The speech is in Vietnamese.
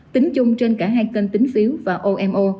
tính chung trên cả hai kênh tính phiếu và omo